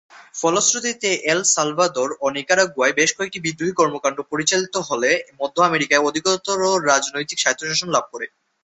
ফলশ্রুতিতে El Salvador ও নিকারাগুয়ায় বেশ কয়েকটি বিদ্রোহী কর্মকাণ্ড পরিচালিত হলে মধ্য আমেরিকায় অধিকতর রাজনৈতিক স্বায়ত্তশাসন লাভ করে।